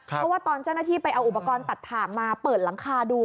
เพราะว่าตอนเจ้าหน้าที่ไปเอาอุปกรณ์ตัดถ่างมาเปิดหลังคาดู